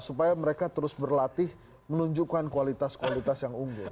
supaya mereka terus berlatih menunjukkan kualitas kualitas yang unggul